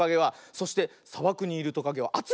そしてさばくにいるトカゲはあついよ。